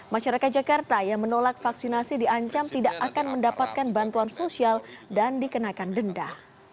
masyarakat jakarta yang menolak vaksinasi diancam tidak akan mendapatkan bantuan sosial dan dikenakan denda